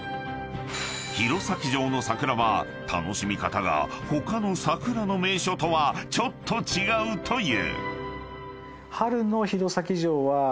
［弘前城の桜は楽しみ方が他の桜の名所とはちょっと違うという］